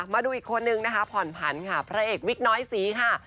มาดูอีกคนนึงนะคะผ่อนผันค่ะพระเอกวิกน้อยศรีค่ะ